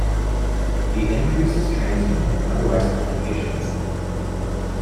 The increase is transient in otherwise healthy patients.